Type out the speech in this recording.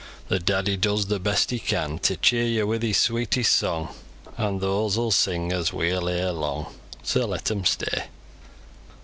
Ther daddy does the best he can To cheer yo with his sweetest song; An' thoase 'll sing as weel, ere long, Soa let 'em stay."